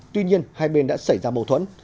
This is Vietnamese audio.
tuy nhiên hai bên đã xảy ra mâu thuẫn